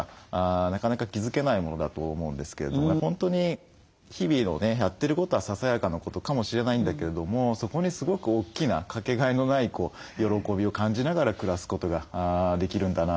なかなか気付けないものだと思うんですけれども本当に日々のねやってることはささやかなことかもしれないんだけれどもそこにすごく大きなかけがえのない喜びを感じながら暮らすことができるんだな。